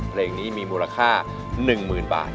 เพลงนี้มีมูลค่า๑หมื่นบาท